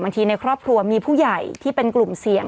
ในครอบครัวมีผู้ใหญ่ที่เป็นกลุ่มเสี่ยง